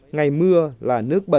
ngày mưa là nước mưa